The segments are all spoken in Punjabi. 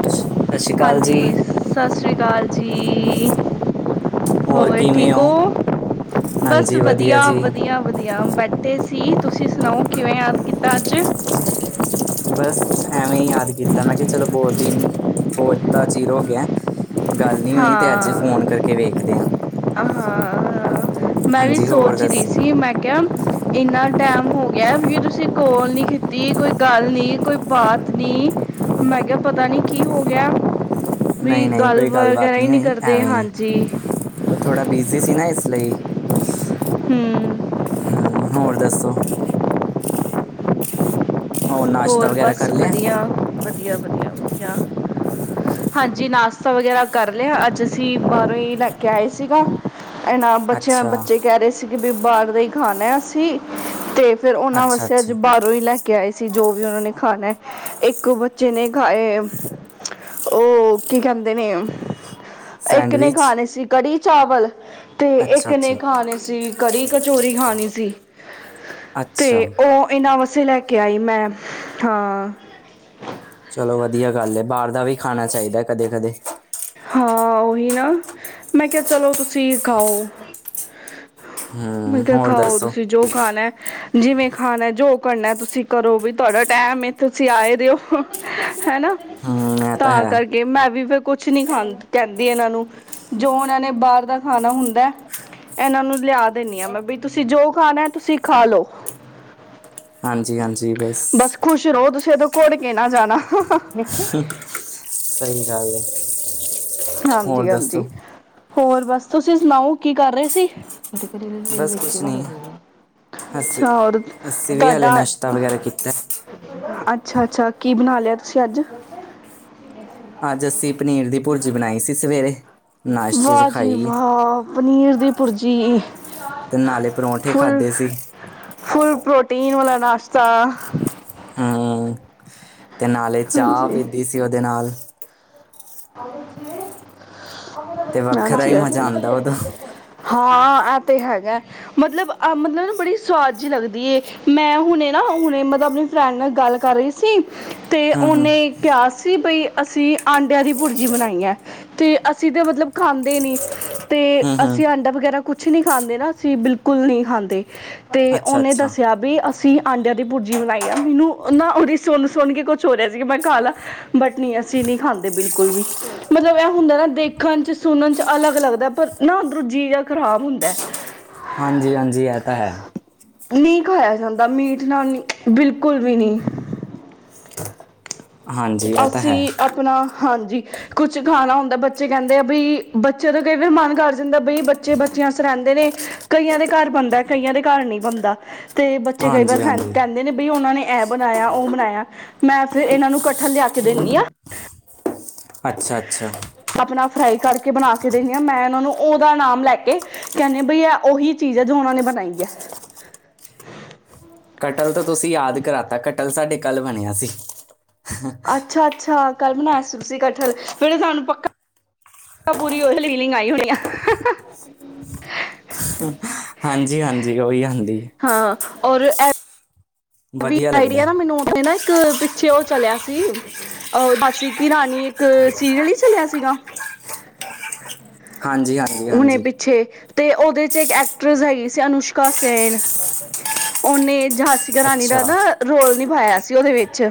[inaudible] ਜੀ ਹਾਂਜੀ ਸਸ ਸ਼੍ਰੀ ਕਾਲ ਜੀ। ਹੋਰ ਠੀਕ ਹੋ? ਬਸ ਹਾਂਜੀ ਵਧੀਆ ਜੀ -ਵਧੀਆ। ਵਧੀਆ ਬੈਠੇ ਸੀ ਤੁਸੀਂ ਸੁਣਾਓ ਕਿਵੇਂ ਯਾਦ ਕੀਤਾ ਅੱਜ? ਬਸ ਐਵੇਂ ਈ ਯਾਦ ਕੀਤਾ ਮੈਂ ਕਿਹਾ ਚਲੋ ਫੋਨ ਤੇ ਈ, ਬਹੁਤਾ ਚਿਰ ਹੋ ਗਿਆ ਐ। ਗੱਲ ਨੀ ਹੋਈ ਤੇ ਅੱਜ ਫੋਨ ਹਾਂ ਕਰਕੇ ਵੇਖਦੇ ਆ। ਹਾਂ ਹਾਂਜੀ ਹੋਰ ਦੱਸੋ? ਬਸ, ਇੰਨਾ ਟੈਮ ਹੋ ਗਿਆ ਵੀ ਤੁਸੀਂ ਕੋਲ ਨੀ ਕੀਤੀ ਕੋਈ ਗੱਲ ਨੀ ਕੋਈ ਬਾਤ ਨੀ, ਮੈਂ ਕਿਹਾ ਪਤਾ ਨੀ ਕੀ ਹੋ ਗਿਆ। ਵੀ ਨਈ-ਨਈ ਕੋਈ ਗੱਲ ਵਗੈਰਾ ਬਾਤ ਹੀ ਨੀ ਨਹੀਂ ਹੋਈ ਕਰਦੇ ਐਵੇਂ ਈ, ਹਾਂਜੀ ਮੈ ਥੋੜ੍ਹਾ ਬਿਜੀ ਸੀ ਨਾ ਇਸ ਲਈ। ਹੂੰ ਹੂੰ ਹੋਰ ਦੱਸੋ? ਨਾਸ਼ਤਾ ਹੋਰ ਵਗੈਰਾ ਬਸ ਕਰ ਲਿਆ ਵਧੀਆ ਵਧੀਆ, ਵਧੀਆ ਵਧੀਆ। ਹਾਂਜੀ ਨਾਸ਼ਤਾ ਵਗੈਰਾ ਕਰ ਲਿਆ ਅੱਜ ਅਸੀਂ ਬਾਹਰੋਂ ਹੀ ਲੈ ਕੇ ਆਏ ਸੀਗਾ। ਐਨਾ ਬੱਚਿਆਂ ਅੱਛਾ ਬੱਚੇ ਕਹਿ ਰਹੇ ਸੀ ਕਿ ਬੀ ਬਾਹਰ ਦਾ ਹੀ ਖਾਣਾ ਅਸੀ ਤੇ ਫਿਰ ਉਹਨਾਂ ਅੱਛਾ ਵਸੇ ਅੱਜ ਅੱਛਾ ਬਾਹਰੋਂ ਹੀ ਲੈ ਕੇ ਆਏ ਸੀ ਜੋ ਵੀ ਉਹਨਾਂ ਨੇ ਖਾਣਾ ਐ। ਇੱਕ ਬੱਚੇ ਨੇ ਖਾਏ ਐ, ਉਹ ਕੀ ਕਹਿੰਦੇ ਨੇ ਇੱਕ ਨੇ ਸੈਂਡਵਿਚ ਖਾਣੇ ਸੀ ਕੜੀ ਚਾਵਲ, ਤੇ ਅੱਛਾ ਇੱਕ ਨੇ ਅੱਛਾ ਖਾਣੇ ਸੀ ਕੜੀ ਕਚੋਰੀ ਖਾਣੀ ਸੀ, ਅੱਛਾ ਤੇ ਉਹ ਇਨਾਂ ਵਸੇ ਲੈ ਕੇ ਕੇ ਆਈ ਮੈਂ, ਹਾਂ। ਚਲੋ ਵਧੀਆ ਗੱਲ ਏ ਬਾਹਰ ਦਾ ਵੀ ਖਾਣਾ ਚਾਹੀਦਾ ਕਦੇ -ਕਦੇ। ਹਾਂ ਉਹੀ ਨਾ, ਮੈਂ ਕਿਹਾ ਚਲੋ ਤੁਸੀਂ ਖਾਓ। ਮੈਂ ਹਮ ਕਿਆ ਹੋਰ ਖਾਓ ਦੱਸੋ ਤੁਸੀਂ ਜੋ ਖਾਣਾ ਐ। ਜਿਵੇਂ ਖਾਣਾ ਜੋ ਕਰਨਾ ਤੁਸੀਂ ਕਰੋ ਵੀ ਤੁਹਾਡਾ ਟੈਮ ਤੁਸੀਂ ਆਏ ਵੇ ਓ, ਹਨਾ। ਹੂੰ ਇਹ ਤਾਂ ਹੈ ਕਰਕੇ ਮੈਂ ਵੀ ਫੇਰ ਕੁਛ ਕੁਛ ਨੀ ਖਾ ਕਹਿੰਦੀ ਇਹਨਾਂ ਨੂੰ, ਜੋ ਇਨਾਂ ਨੇ ਬਾਹਰ ਦਾ ਖਾਣਾ ਹੁੰਦਾ ਇਨਾਂ ਨੂੰ ਲਿਆ ਦਿੰਦੀ ਆ ਮੈਂ, ਬੀ ਤੁਸੀਂ ਜੋ ਖਾਣਾ ਤੁਸੀਂ ਖਾ ਲੋੋ। ਹਾਂਜੀ ਹਾਂਜੀ ਬਸ। ਖੁਸ਼ ਰਹੋ ਤੁਸੀਂ ਐਥੋ ਕੁੜ ਕੇ ਨਾ ਜਾਣਾ। ਸਹੀ ਗੱਲ ਐ। ਹਾਂਜੀ ਹਾਂਜੀ, ਹੋਰ ਬਸ ਤੁਸੀਂ ਸੁਣਾਓ ਕੀ ਕਰ ਰਹੇ ਸੀ। ਏਹ ਟਿਕਦੀ ਨੀ ਵੇਲੀ ਬਸ ਵਿੱਚ ਕੁਛ ਨਾ ਨਹੀਂ ਵੜਿਓ। ਹਸ ਅੱਛਾ ਹੋਰ, ਅਸੀਂ ਵੀ ਹਾਲੇ ਤੁਹਾਡਾ ਨਾਸ਼ਤਾ ਵਗੈਰਾ ਕੀਤਾ ਅੱਛਾ ਅੱਛਾ ਕੀ ਬਣਾ ਲਿਆ ਤੁਸੀਂ ਅੱਜ? ਅੱਜ ਅਸੀਂ ਪਨੀਰ ਦੀ ਭੁਰਜੀ ਬਣਾਈ ਸੀ ਸਵੇਰੇ। ਨਾਸ਼ਤੇ 'ਚ ਵਾਹ ਜੀ ਖਾਈ ਵਾਹ ਪਨੀਰ ਦੀ ਭੁਰਜੀ। ਤੇ ਨਾਲੇ ਪਰੌਂਠੇ ਖਾਧੇ ਸੀ ਫੁੱਲ-ਫੁੱਲ ਪ੍ਰੋਟੀਨ ਦਾ ਨਾਸ਼ਤਾ। ਹੂੰ, ਤੇ ਨਾਲੇ ਚਾਹ ਹਾਂਜੀ ਪੀਦੀ ਸੀ ਉਹਦੇ ਨਾਲ। ਤੇ ਵੱਖਰਾ ਹੀ ਹਾਂਜੀ ਮਜ਼ਾ ਹਾਂਜੀ। ਆਉਂਦਾ ਉਦੋਂ ਹੂੰ ਹਾਂ ਐਤੇ ਹੈਗਾ। ਮਤਲਬ -ਮਤਲਬ ਨਾ ਬੜੀ ਸੁਵਾਦ ਜਿਹੀ ਲੱਗਦੀ ਏ ਮੈਂ ਹੁਣੇ ਨਾ ਹੁਣੇ ਮਤਲਬ ਆਪਣੀ ਫਰੈਂਡ ਨਾਲ ਗੱਲ ਕਰ ਰਹੀ ਸ ਸੀ, ਤੇ ਹੂੰ ਉਨੇ ਕਿਹਾ ਸੀ ਬਈ ਅਸੀਂ ਆਟ ਅੰਡਿਆਂ ਦੀ ਭੁਰਜੀ ਬਣਾਈ ਐ ਤੇ ਅਸੀਂ ਤੇ ਮਤਲਬ ਖਾਂਦੇ ਨੀ ਤੇ ਹੂੰ ਹੂੰ ਅਸੀਂ ਆਂਡਾ ਵਗੈਰਾ ਕੁਛ ਨੀ ਖਾਂਦੇ ਨਾ ਅਸੀਂ ਬਿਲਕੁਲ ਨ੍ਹੀਂ ਖਾਂਦੇ। ਤੇ ਅੱਛਾ ਉਹਨੇ ਅੱਛਾ ਦੱਸਿਆ ਬੀ ਅਸੀਂ ਆਂਡਿਆਂ ਦੀ ਭੁਰਜੀ ਬਣਾਈ ਆ ਮੈਨੂੰ ਨਾ ਉਹਦੀ ਸੁਣ ਸੁਣ ਕੇ ਕੁਛ ਹੋ ਰਿਹਾ ਸੀਗਾ ਮੈਂ ਖਾ ਲਾਂ। ਬਟ ਨੀਂ ਅਸੀਂ ਨ੍ਹੀਂ ਖਾਂਦੇ ਬਿਲਕੁਲ ਵੀ। ਮਤਲਬ ਇਹ ਹੁੰਦਾ ਨਾ ਦੇਖਣ ਚ ਸੁਣਨ ਅਲੱਗ ਲੱਗਦਾ ਪਰ ਨਾ ਅੰਧਰੋਂ ਜੀ ਜਿਆ ਖ਼ਰਾਬ ਹੁੰਦਾ। ਹਾਂਜੀ ਹਾਂਜੀ ਏ ਤਾਂ ਹੈ। ਨ੍ਹੀਂ ਖਾਇਆ ਜਾਂਦਾ ਮੀਟ ਨਾਲ ਬਿਲਕੁਲ ਵੀ ਨ੍ਹੀ। ਹਾਂਜੀ ਇਹ ਤਾਂ ਹੈ ਅਸੀਂ ਆਪਣਾ ਹਾਂਜੀ ਕੁਛ ਖਾਣਾ ਹੁੰਦਾ ਬੱਚੇ ਕੈਂਦੇ ਆ ਬਈ, ਬੱਚੇ ਦਾ ਕਈ ਵਾਰੀ ਮਨ ਕਰ ਜਾਂਦਾ ਬਈ ਬੱਚੇ ਬੱਚੇਸ ਰੈਂਦੇ ਨੇ। ਕਈਆਂ ਦੇ ਘਰ ਬਨ੍ਹਦਾ ਕਈਆਂ ਦੇ ਘਰ ਨਈਂ ਬਨ੍ਹਦਾ। ਤੇ ਬੱਚੇ ਕਈ ਹਾਂਜੀ ਵਾਰ ਹਾਂਜੀ ਕੈਂਦੇ ਨੇ ਬਈ ਉਹਨਾਂ ਨੇ ਐ ਬਣਾਇਆ, ਉਹ ਬਣਾਇਆ ਮੈਂ ਫਿਰ ਇਹਨਾਂ ਨੂੰ ਕੱਠੇ ਥੱਲੇ ਆ ਕੇ ਦੇਣੀ ਆਂ। ਅੱਛਾ ਅੱਛਾ। ਆਪਣਾ ਫਰਾਈ ਕਰਕੇ ਬਣਾ ਕੇ ਦੇਣੀ ਆਂ, ਮੈਂ ਇਨ੍ਹਾਂ ਨੂੰ ਓਦਾ ਨਾਮ ਲੈ ਕੇ ਕੈਣੇ ਬਈ ਆ ਉਹੀ ਚੀਜ਼ ਐ ਜੋ ਉਹਨਾਂ ਨੇ ਬਣਾਈ ਐ। ਕਟਲ ਤਾਂ ਤੁਸੀਂ ਯਾਦ ਕਰਾਤਾ, ਕਟਲ ਸਾਡੇ ਕੱਲ੍ਹ ਬਣਿਆ ਸੀ। ਅੱਛਾ ਅੱਛਾ, ਕੱਲ ਬਣਾਇਆ ਸੀ ਤੁਸੀਂ ਕਠਹਲ ਫੇਰ ਸਾਨੂੰ ਪੱਕਾ ਪੂਰੀ ਉਹ ਲੀਲਿੰਗ ਆਈ ਹੋਣੀ ਆ। ਹਾਂਜੀ ਹਾਂਜੀ, ਉਹੀ ਆ ਹੁੰਦੀ ਹਾਂ ਔਰ ਐ ਵੀ ਵਧੀਆ ਲੱਗਦਾ ਆਈਡੀਆ ਨਾ ਹੈ। ਮੈਨੂੰ ਉੱਥੇ ਨਾ ਇੱਕ ਪਿੱਛੇ ਉਹ ਚਲਿਆ ਸੀ ਅਹ ਦਾਸੀ ਕਿ ਰਾਣੀ ਇੱਕ ਸੀਰੀਅਲ ਨੀ ਚਲਿਆ ਸੀਗਾ। ਹਾਂਜੀ ਹਾਂਜੀ। ਹੁਣੇ ਹਾਂਜੀ ਪਿੱਛੇ ਤੇ ਓਦੇ ਚ ਇੱਕ ਐਕਟਰੈਸ ਹੈਗੀ ਸੀ ਅਨੁਸ਼ਕਾ ਸੇਨ। ਓਨੇਂ ਝਾਂਸੀ ਕ ਰਾਣੀ ਦਾ ਅੱਛਾ ਨਾ ਰੋਲ ਨਿਭਾਇਆ ਸੀ ਓਦੇ ਵਿੱਚ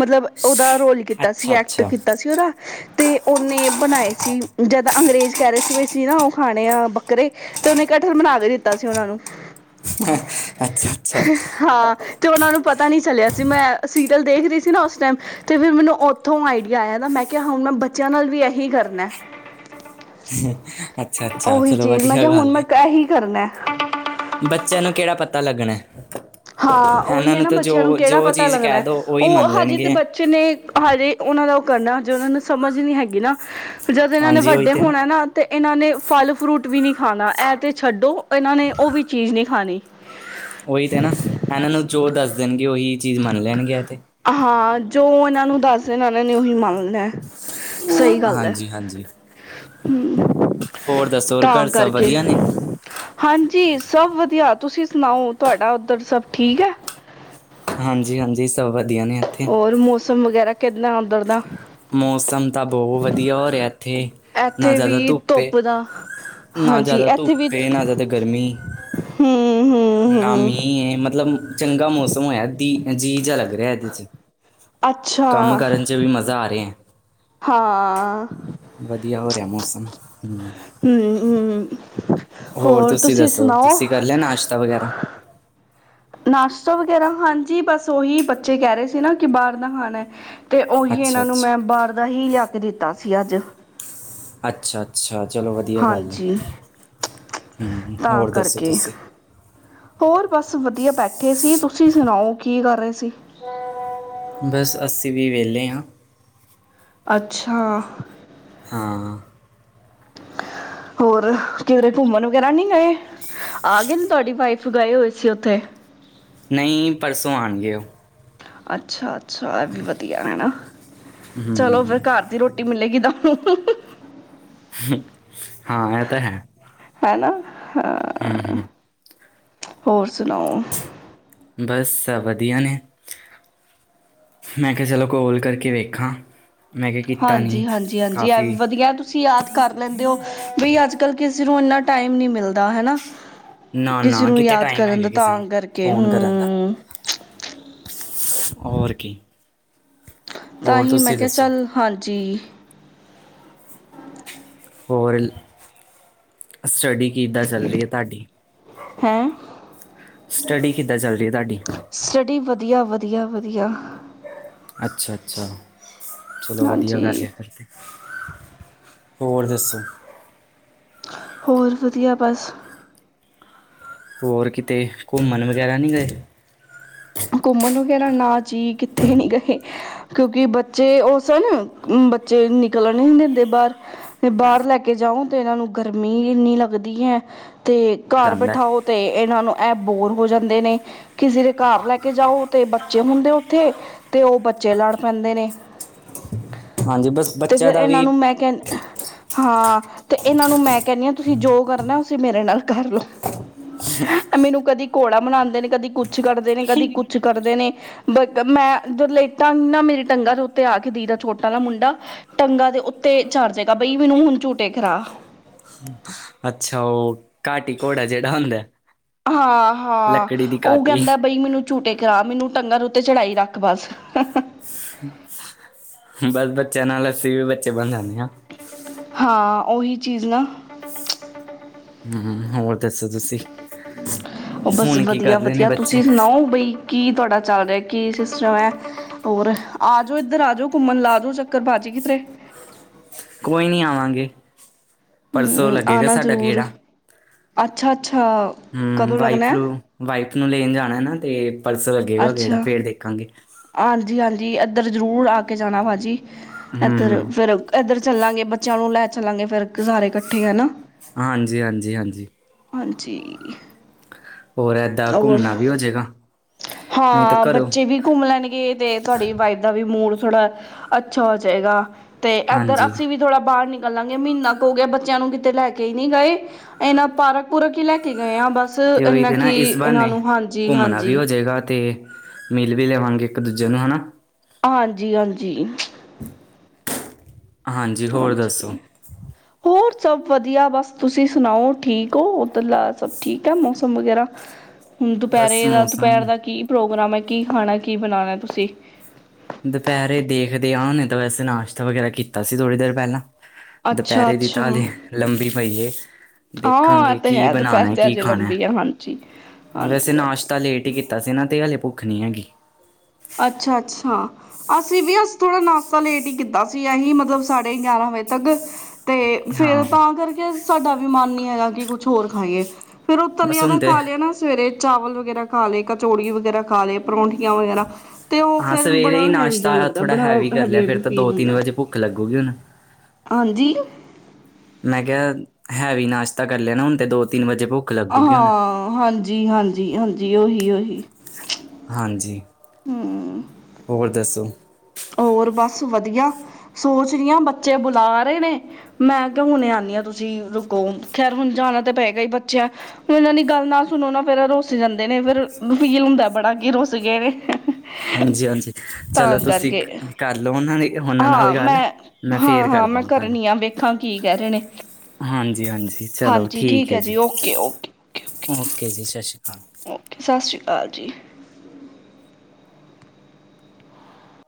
ਮਤਲਬ ਓਦਾ ਰੋਲ ਕੀਤਾ ਸੀ, ਅੱਛਾ ਐਕਟ ਅੱਛਾ ਕੀਤਾ ਸੀ ਓਦਾ ਤੇ ਓਨੇ ਬਣਾਏ ਸੀ ਜਦ ਅੰਗਰੇਜ਼ ਕਹਿ ਰਹੇ ਸੀ ਵੀ ਸੀ ਨਾ ਉਹ ਖਾਣੇ ਆ ਬੱਕਰੇ ਤੇ ਉਹਨੇ ਕਠਹਲ ਬਣਾ ਕੇ ਦਿੱਤਾ ਸੀ ਉਹਨਾਂ ਨੂੰ। ਅੱਛਾ ਅੱਛਾ ਹਾਂ। ਤੇ ਉਹਨਾਂ ਨੂੰ ਪਤਾ ਨ੍ਹੀਂ ਚਲਿਆ ਸੀ ਮੈਂ ਸੀਰੀਅਲ ਦੇਖ ਰੀ ਸੀ ਨਾ ਉਸ ਟਾਈਮ ਤੇ ਫਿਰ ਮੈਨੂੰ ਉਥੋਂ ਆਈਡੀਆ ਆਇਆ ਦਾ ਮੈਂ ਕਿਆ ਹੁਣ ਮੈਂ ਬੱਚਿਆਂ ਨਾਲ ਵੀ ਇਹੀ ਕਰਨਾ। ਅੱਛਾ ਅੱਛਾ, ਉਹੀ ਚਲੋ ਚੀਜ਼ ਮੈਂ ਵਧੀਆ ਕਿਹਾ ਹੁਣ ਗੱਲ ਮੈਂ ਏ। ਇਹੀ ਕਰਨਾ। ਬੱਚਿਆਂ ਨੂੰ ਕਿਹੜਾ ਪਤਾ ਲੱਗਣਾ। ਹਾਂ ਇਹਨਾਂ ਉਹੀ ਐ ਨਾ ਤਾਂ ਜੋ ਬੱਚਿਆਂ ਨੂੰ ਕਿਹੜਾ ਜੋ ਪਤਾ ਚੀਜ਼ ਕਹਿ ਲੱਗਣਾ ਦੋ ਉਹੀ ਉਹ ਮੰਨ ਹਜੇ ਲੈਣਗੇ ਬ ਬੱਚੇ ਨੇ ਹਜੇ ਉਹਨਾਂ ਦਾ ਉਹ ਕਰਨਾ ਜੋੇ ਉਹਨਾਂ ਨੂੰ ਸਮਝ ਨ੍ਹੀਂ ਹੈਗੀ ਨਾ। ਜਦ ਇਹਨਾਂ ਨੇ ਹਾਂਜੀ ਉਹੀ ਵੱਡੇ ਤੇ ਹੋਣਾ ਨਾ ਤੇ ਇਹਨਾਂ ਨੇ ਫਲ-ਫਰੂਟ ਵੀ ਨ੍ਹੀ ਖਾਣਾ ਇਹ ਤੇ ਛੱਡੋ, ਇਹਨਾਂ ਨੇ ਉਹ ਵੀ ਚੀਜ਼ ਨ੍ਹੀਂ ਖਾਣੀ। ਉਹੀ ਤੇ ਨਾ ਇਹਨਾਂ ਨੂੰ ਜੋ ਦੱਸ ਦੇਣਗੇ ਉਹੀ ਚੀਜ਼ ਮੰਨ ਲੈਣਗੇ ਐ ਤੇ ਹਾਂ ਜੋ ਇਹਨਾਂ ਨੂੰ ਦੱਸ ਦੇਣਾ ਇਹਨਾਂ ਨੇ ਉਹੀ ਮੰਨਣਾ ਸਹੀ ਗੱਲ ਐ ਹਾਂਜੀ ਹਾਂਜੀ ਹਂ ਹੋਰ ਦੱਸੋ ਹੋਰ ਤਾਂ ਘਰ ਸਭ ਕਰਕੇ। ਵਧੀਆ ਨੇ ਹਾਂਜੀ ਸਭ ਵਧੀਆ, ਤੁਸੀਂ ਸੁਣਾਓ ਤੁਹਾਡਾ ਉੱਧਰ ਸਭ ਠੀਕ ਐ? ਹਾਂਜੀ ਹਾਂਜੀ ਸਭ ਵਧੀਆ ਨੇ ਇੱਥੇ। ਹੋਰ ਮੌਸਮ ਵਗੈਰਾ ਕਿੱਦਾਂ ਅੰਦਰ ਦਾ। ਮੌਸਮ ਤਾਂ ਬਹੁ ਵਧੀਆ ਹੋ ਰਿਹਾ ਇੱਥੇ ਨਾ ਇੱਥੇ ਜ਼ਿਆਦਾ ਵੀ ਧੁੱਪੇ ਧੁੱਪ ਦਾ ਏ ਨਾ ਹਾਂਜੀ ਜ਼ਿਆਦਾ ਇੱਥੇ ਵੀ ਧੁੱਪ ਏ ਨਾ ਜ਼ਿਆਦਾ ਗਰਮੀ ਹਮ ਹਮ ਨਾ ਹਮ ਮੀਂਹ ਨਹੀਂ ਇਹ ਮਤਲਬ ਚੰਗਾ ਮੌਸਮ ਹੋਇਐ ਜ ਜੀ ਜਿਹਾ ਲੱਗ ਰਿਹਾ ਇਹਦੇ 'ਚ ਅੱਛਾ ਕੰਮ ਕਰਨ 'ਚ ਵੀ ਮਜ਼ਾ ਆ ਰਿਹੈ। ਹਾਂ ਵਧੀਆ ਹੋ ਰਿਹੈ ਮੌਸਮ ਹਮ। ਹਮ ਹਮ ਹੋਰ ਤੁਸੀਂ ਦੱਸੋ ਤੁਸੀਂ ਕਰ ਲਿਆ ਨਾਸ਼ਤਾ ਵਗੈਰਾ। ਨਾਸ਼ਤਾ ਵਗੈਰਾ ਹਾਂਜੀ ਬਸ ਉਹੀ ਬੱਚੇ ਕਹਿ ਰਹੇ ਸੀ ਨਾ ਕਿ ਬਾਹਰ ਦਾ ਖਾਣੈ। ਤੇ ਉਹੀ ਅੱਛਾ ਇਹਨਾਂ ਨੂੰ ਅੱਛਾ ਮੈਂ ਬਾਹਰ ਦਾ ਹੀ ਲਿਆ ਕੇ ਦਿੱਤਾ ਸੀ ਅੱਜ ਅੱਛਾ ਅੱਛਾ ਚਲੋ ਵਧੀਆ ਗੱਲ ਹਾਂਜੀ ਏ ਤਾਂ ਹੋਰ ਦੱਸੋ ਕਰਕੇ ਤੁਸੀਂ ਹੋਰ ਬਸ ਵਧੀਆ ਬੈਠੇ ਸੀ ਤੁਸੀਂ ਸੁਣਾਓ ਕੀ ਕਰ ਰਹੇ ਸੀ। ਬਸ ਅਸੀਂ ਵੀ ਵਿਹਲੇ ਹਾਂ। ਅੱਛਾ। ਹਾਂ ਹੋਰ ਕਿਦਰੇ ਘੁੰਮਣ ਵਗੈਰਾ ਨਹੀਂ ਗਏ ਆ ਗਏ ਨੇ ਤੁਹਾਡੀ ਵਾਈਫ ਗਏ ਹੋਏ ਸੀ ਉੱਥੇ ਨਹੀਂ ਪਰਸੋਂ ਆਣਗੇ ਉਹ। ਅੱਛਾ ਅੱਛਾ ਇਹ ਵੀ ਵਧੀਆ ਹੈਨਾ ਚਲੋ ਹੂੰ ਫਿਰ ਘਰ ਦੀ ਰੋਟੀ ਰੋਟੀ ਮਿਲੇਗੀ ਤਾਂਨੂੰ ਹਾਂ ਇਹ ਤਾਂ ਹੈ। ਹੈ ਨਾ ਹ ਹਮ ਹਮ ਹੋਰ ਸੁਣਾਓ ਬਸ ਵਧੀਆ ਨੇ ਮੈਂ ਕਿਹਾ ਚਲੋ ਕੋਲ ਕਰਕੇ ਵੇਖਾਂ। ਮੈਂ ਕਿਹਾ ਕੀਤਾ ਹਾਂਜੀ ਨਹੀਂ ਹਾਂਜੀ ਹਾਂਜੀ ਐ ਕਾਫੀ ਵੀ ਵਧੀਆ। ਤੁਸੀਂ ਯਾਦ ਕਰ ਲੈਂਦੇ ਹੋ ਬਈ ਅੱਜ ਕੱਲ ਕਿਸੇ ਨੂੰ ਇੰਨਾ ਟਾਈਮ ਨੀ ਮਿਲਦਾ ਹੈਨਾ ਨਾ ਨਾ ਕਿਸੇ ਨੂੰ ਕਿਤੇ ਯਾਦ ਟਾਈਮ ਕਰਨ ਹੈਗਾ ਦਾ ਕਿਸੇ ਤਾਂ ਨੂੰ ਕਰਕੇ ਫੋਨ ਕਰਨ ਦਾ ਹਮ ਹੋਰ ਕੀ ਤਾਂ ਹੋਰ ਹੀ ਮੈਂ ਤੁਸੀਂ ਕਿਹਾ ਦੱਸੋ ਚੱਲ, ਹਾਂਜੀ। ਹੋਰ ਸਟੱਡੀ ਕਿੱਦਾਂ ਚੱਲ ਰਹੀ ਹੈ ਤਾਡੀ ਹੈਂ। ਸਟੱਡੀ ਕਿੱਦਾਂ ਚੱਲ ਰਹੀ ਹੈ ਤਾਡੀ। ਸਟੱਡੀ ਵਧੀਆ ਵਧੀਆ ਵਧੀਆ ਅੱਛਾ ਅੱਛਾ ਚਲੋ ਵਧੀਆ ਵੈਸੇ ਹਾਂਜੀ ਫੇਰ ਹੋਰ ਦੱਸੋ। ਹੋਰ ਵਧੀਆ ਬਸ। ਹੋਰ ਕਿਤੇ ਘੁੰਮਣ ਵਗੈਰਾ ਨਹੀਂ ਗਏ। ਘੁੰਮਣ ਵਗੈਰਾ ਨਾ ਜੀ ਕਿੱਥੇ ਨੀ ਗਏ। ਕਿਉਂਕਿ ਬੱਚੇ ਉਹ ਸਨ, ਬੱਚੇ ਨਿਕਲਣ ਨੀ ਦਿੰਦੇ ਬਾਹਰ ਤੇ ਬਾਹਰ ਲੈ ਕੇ ਜਾਓ ਤੇ ਇਹਨਾਂ ਨੂੰ ਗਰਮੀ ਇਨੀ ਲੱਗਦੀ ਹੈ ਤੇ ਘਰ ਜਾਂਦਾ ਬਠਾਓ ਤੇ ਇਹਨਾਂ ਨੂੰ, ਇਹ ਬੋਰ ਹੋ ਜਾਂਦੇ ਨੇ ਕਿਸੇ ਦੇ ਘਰ ਲੈ ਕੇ ਜਾਓ ਤੇ ਬੱਚੇ ਹੁੰਦੇ ਉੱਥੇ ਤੇ ਉਹ ਬੱਚੇ ਲੜ ਪੈਂਦੇ ਨੇ ਹਾਂਜੀ ਬਸ ਤੇ ਬੱਚਿਆਂ ਫਿਰ ਦਾ ਇਹਨਾਂ ਵੀ ਨੂੰ ਮੈਂ ਕਹਿਣ ਹਾਂ ਤੇ ਇਹਨਾਂ ਨੂੰ ਮੈਂ ਕਹਿਣੀ ਆਂ ਤੁਸੀਂ ਜੋ ਕਰਨੈ ਉਸੀਂ ਮੇਰੇ ਨਾਲ ਕਰ ਲਓ ਹਮ ਮੈਨੂੰ ਕਦੀ ਘੋੜਾ ਬਨਾਦੇ ਨੇ ਕਦੀ ਕੁਛ ਕਰਦੇ ਨੇ ਕਦੀ ਕੁਛ ਕਰਦੇ ਨੇ ਮੈਂ ਜਦੋ ਲੇਟਾਂ ਨਾ ਮੇਰੀ ਟੰਗਾਂ ਦੇ ਉੱਤੇ ਆ ਕੇ ਦੀ ਦਾ ਛੋਟਾ ਦਾ ਮੁੰਡਾ ਟੰਗਾਂ ਦੇ ਉੱਤੇ ਚੜ ਜਾੇਗਾ ਬਈ ਮੈਨੂੰ ਹੁਣ ਝੂਟੇ ਖਰਾ ਹਮ ਅੱਛਾ ਉਹ ਘਾਟੀ ਘੋੜਾ ਜੇੜਾ ਹੁੰਦਾ। ਹਾਂ ਹਾਂ ਲੱਕੜੀ ਦੀ ਉਹ ਕਾਟੀ ਕੈਂਦਾ ਬਈ ਮੈਨੂੰ ਝੂਟੇ ਕਰਾ ਮੈਨੂੰ, ਟੰਗਾਂ ਦੇ ਉੱਤੇ ਝੜਾਈ ਰੱਖ ਬਸ। ਬ ਬੱਚਿਆਂ ਨਾਲ ਅੱਸੀ ਵੀ ਬੱਚੇ ਬਨ ਜਾਨੇ ਆਂ। ਹਾਂ, ਓਹੀ ਚੀਜ਼ ਨਾ। ਹੂੰ, ਹੋਰ ਦੱਸੋ ਤੁਸੀਂ? ਬਸ ਹੁਣ ਕੀ ਵਦੀਆ ਕਰ ਰਹੇ ਨੇ -ਵਦੀਆ ਤੁਸੀਂ ਬੱਚੇ? ਸੁਣਾਓ ਬਈ ਕੀ ਤਾਡਾ ਚਾਲ ਰੇਆ? ਕੀ ਸਿਸਟਮ ਐ, ਹੋਰ ਆਜੋ ਏਦਰ ਆ ਜੋ ਘੁੰਮਣ ਲਾਜੋ [unintelligible] ਕੋਈ ਨੀ ਆਵਾਗੇ। ਪਰਸੋਂ ਹਮ ਲੱਗੇਗਾ ਆਉਣਾ ਸਾਡਾ ਜ਼ਰੂਰ ਗੇੜਾ, ਅੱਛਾ-ਅੱਛਾ, ਹੂੰ ਕਦੋਂ ਵਾਈ ਲੱਗਣਾ ਹੈ? ਫਲੂ ਵਾਈਫ ਨੂੰ ਲੇਨ ਜਾਨਾ ਏ ਨਾ, ਤੇ ਪਰਸੋਂ ਲੱਗੇਗਾ ਗੇੜਾ ਫੇਰ ਦੇਖਾਂਗੇ। ਆਂਜੀ ਆਂਜੀ ਐਦਰ ਜ਼ਰੂਰ ਆ ਕੇ ਜਾਣਾ ਭਾਜੀ, ਹੂੰ ਐਧਰ ਹੂੰ ਫਿਰ ਐਦਰ ਚੱਲਾਂਗੇ ਬੱਚਿਆਂ ਨੂੰ ਲੈ ਚੱਲਾਂਗੇ, ਫਿਰ ਸਾਰੇ ਇਕੱਠੇ ਹਨਾ। ਹਾਂਜੀ -ਹਾਂਜੀ- ਹਾਂਜੀ। ਹਾਂਜੀ ਈ। ਹੋਰ ਐਦਾ ਘੁੰਮਣਾ ਵੀ ਹੋਜੇਗਾ, ਨਹੀਂ ਤਾਂ ਹਾਂ ਘਰੋ ਬੱਚੇ ਵੀ ਘੁੰਮ ਲੈਣਗੇ ਏ ਤੇ ਤੁਹਾਡੀ ਵਾਈਫ ਦਾ ਵੀ ਮੂਡ ਥੋੜਾ ਅੱਛਾ ਹੋ ਜਾਏਗਾ। ਤੇ ਐਦਰ ਹਾਂਜੀ ਅਸੀਂ ਵੀ ਥੋੜਾ ਬਾਰ ਨਿਕਲਾਂਗੇ, ਮਹੀਨਾ ਕੁ ਹੋ ਗਿਆ, ਬੱਚਿਆਂ ਨੂੰ ਕਿਤੇ ਲੈ ਕੇ ਹੀ ਨਹੀਂ ਗਏ। ਐਨਾ ਪਾਰਕ ਪੂਰਕ ਹੀ ਲੈ ਕੇ ਗਏਂ ਆਂ ਬਸ ਤੇ ਉਹੀ ਇੰਨਾ ਤੇ ਨਾ ਇਸ ਬਾਨੇ ਘੁੰਮਣਾ ਵੀ ਹੋ ਜੇ ਗਾ ਤੇ ਮਿਲ ਵੀ ਲਵਾਂਗੇ ਇੱਕ ਦੂਜੇ ਨੂੰ ਹਨਾ। ਆਂਜੀ -ਆਂਜੀ। ਹਾਂਜੀ ਹੋਰ ਦੱਸੋ? ਹੋਰ ਸਭ ਵਧੀਆ ਬਸ, ਤੁਸੀਂ ਸੁਣਾਓ ਠੀਕ ਓ? ਓਦਰਲਾ ਸਭ ਠੀਕ ਐ ਮੌਸਮ ਵਗੈਰਾ। [unintelligible] ਹੁਣ ਦੁਪੈਰੇ ਬਸ ਦਾ ਮੌਸਮ ਦੁਪੈਰ ਦਾ ਕੀ ਪ੍ਰੋਗਰਾਮ ਐ, ਕੀ ਖਾਣਾ ਕੀ ਬਣਾਣਾ ਤੁਸੀਂ? ਦੁਪੈਰੇ ਦੇਖਦੇ ਆਂ, ਹੁਨੇ ਨੇ ਤਾਂ ਵੈਸੇ ਨਾਸ਼ਤਾ ਵਗੈਰਾ ਕੀਤਾ ਸੀ ਥੋੜ੍ਹੀ ਦੇਰ ਪੈਂਲਾ। ਅੱਛਾ ਦੁਪੈਰੇ ਦੀ ਅੱਛਾ ਤਾ ਹਲੇ ਲੰਬੀ ਪਈ ਏ। ਹਾਂ ਇਹ ਦੇਖਾਂਗੇ ਤਾਂ ਕੀ ਹੈ ਦੁਪਹਿਰ ਬਣਾਨਾ ਏ, ਤੇ ਕੀ ਅਜੇ ਖਾਣਾ ਲੰਬੀ ਹੈ ਹਾਂਜੀ ਐਂ ਵੈਸੇ ਹਾਂਜੀ ਹਾਂਜੀ ਨਾਸ਼ਤਾ ਲੇਟ ਈ ਕੀਤਾ ਸੀ ਨਾ ਤੇ ਅ ਲੇ ਭੁੱਖ ਨੀ ਹੈਗੀ। ਅੱਛਾ -ਅੱਛਾ। ਅਸੀਂ ਵੀ ਅਜ ਥੋੜਾ ਨਾਸ਼ਤਾ ਲੇਟ ਹੀ ਕੀਤਾ ਸੀ, ਅਹੀ ਮਤਲਬ ਸਾਡੇ ਗਿਆਰਾਂ ਵਜੇ ਤੱਕ ਤੇ ਫਿਰ ਹਾਂ ਤਾਂ ਕਰਕੇ ਸਾਡਾ ਵੀ ਮਨ ਨੀ ਹੈਗਾ, ਕਿ ਕੁਛ ਹੋਰ ਖਾਈਏ। ਫਿਰ ਉ ਬਸ ਤਲਿਆ ਹੁਣ ਦਾ ਤੇ ਖਾ ਲਿਆ ਨਾ, ਸਵੇਰੇ ਚਾਵਲ ਵਗੈਰਾ ਖਾ ਲਏ ਕਚੋੜੀ ਵਗੈਰਾ ਖਾ ਲਏ ਪਰੌਂਠੀਆਂ ਵਗੈਰਾ। ਤੇ ਉ ਹਾਂ ਫਿਰ ਸਵੇਰੇ ਬੜਾ ਹੀ ਹੈਵੀ ਜੇਆ ਨਾਸ਼ਤਾ ਲੱਗਦਾ ਥੋੜ੍ਹਾ ਬੜਾ ਹੈਵੀ ਕਰ ਲਿਆ ਫਿਰ ਹੈਵੀ-ਹੈਵੀ ਤਾਂ ਦੋ ਫੀਲ ਤਿੰਨ ਹੁੰਦਾ। ਵਜੇ ਭੁੱਖ ਲੱਗੂਗੀ ਹੁਣ ਆਂਜੀ ਮੈਂ ਕੇਆ ਹੈਵੀ ਨਾਸ਼ਤਾ ਕਰ ਲਿਆ, ਨਹੁਣ ਤਾਂ ਦੋ ਤਿੰਨ ਵਜੇ ਭੁੱ ਹਾਂ ਹਾਂਜੀ- ਹਾਂਜੀ- ਹਾਂਜੀ ਓਹੀ- ਓਹੀ। ਹਾਂਜੀ ਹੂੰ। ਹੋਰ ਦੱਸੋ? ਹੋਰ ਬਸ ਵਦੀਆ, ਸੋਚ ਰਈ ਆਂ, ਬੱਚੇ ਬੁਲਾ ਰਏ ਨੇ ਮੈਂ ਕਿਆ ਹੁਨੇ ਆਂਨੀ ਆਂ, ਤੁਸੀਂ ਰੁਕੋ, ਖੈਰ ਹੁਨ ਜਾਣਾ ਤਾਂ ਪਏਗਾ ਈ ਬੱਚਿ ਓਨਾਂ ਦੀ ਗੱਲ ਨਾ ਸੁਨੋ ਨਾ, ਫਿਰ ਰੁੱਸ ਜਾਂਦੇ ਨੇ, ਫਿਰ ਫੀਲ ਹੁੰਦਾ ਬੜਾ ਕਿ ਰੁੱਸ ਗਏ ਨੇ। ਹਾਂਜੀ- ਹਾਂਜੀ, ਚਲੋ ਤਾਂ ਤੁਸੀ ਕਰਕੇ ਕਰਲੋ ਉਨਾਂ ਲਈ ਹਾਂ ਮੈਂ, ਹਾਂ- ਹਾਂ ਮੈਂ ਕਰਨੀ ਆਂ, ਵੇਖਾਂ ਕੀ ਕੇਹ ਰਏ ਨੇ। ਹਾਂਜੀ- ਹਾਂਜੀ, ਚਲੋ ਠੀਕ ਐ ਜੀ, ਓਕੇ ਜੀ, ਸ਼ਸੀ ਕਾਲ। ਓਕੇ, ਸਸ ਸ੍ਰੀ ਕਾਲ ਜੀ।